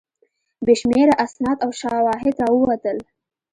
بې شمېره اسناد او شواهد راووتل.